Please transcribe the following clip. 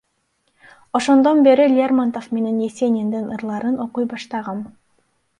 Ошондон бери Лермонтов менен Есениндин ырларын окуй баштагам.